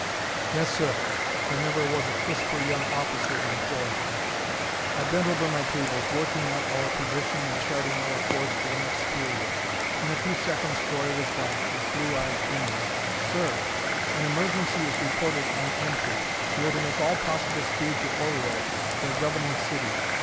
"Yes, sir!" There never was a crisper young officer than Croy. I bent over my tables, working out our position and charting our course for the next period. In a few seconds Croy was back, his blue eyes gleaming. "Sir, an emergency is reported on Antri. We are to make all possible speed, to Oreo, their governing city.